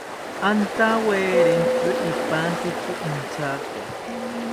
Antawerintzi ipankitzi inchato